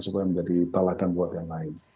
supaya menjadi baladan buat yang lain